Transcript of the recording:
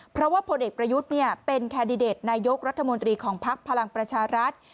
เพราะว่าพลเอกประยุทธ์เป็นแคนดิเดตนายกรัฐมนตรีของภักดิ์พลังประชารัฐ